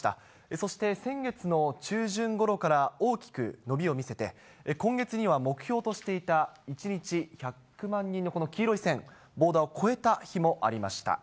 そして、先月の中旬ごろから大きく伸びを見せて、今月には目標としていた１日１００万人のこの黄色い線、ボーダーを超えた日もありました。